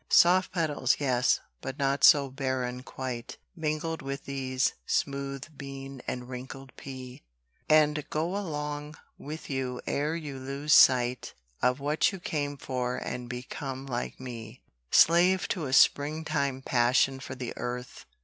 (Soft petals, yes, but not so barren quite, Mingled with these, smooth bean and wrinkled pea;) And go along with you ere you lose sight Of what you came for and become like me, Slave to a springtime passion for the earth.